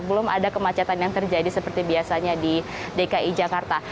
belum ada kemacetan yang terjadi seperti biasanya di dki jakarta